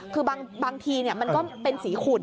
คือบางทีมันก็เป็นสีขุ่น